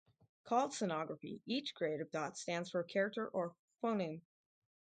Called "sonography", each grid of dots stands for a character or phoneme.